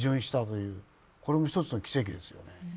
これも一つの奇跡ですよね。